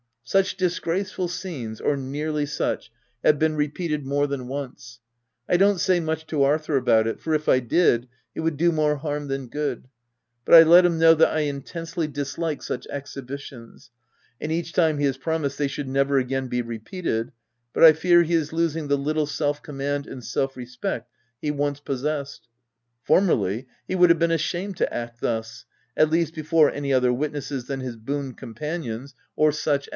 Such disgraceful scenes (or nearly such) have been repeated more than once. I don't say much to Arthur about it, for if I did, it would do more harm than good ; but I let him know that I intensely dislike such exhibitions ; and each time he has promised they should never again be repeated ; but I fear he is losing the little self command and self respect he once possessed : formerly, he would have "been ashamed to act thus — at least, before any other witnesses than his boon companions, or such OF WILDFELL HALL.